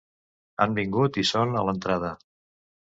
Han vingut i són a l'entrada.